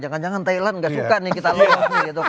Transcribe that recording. jangan jangan thailand tidak suka nih kita luar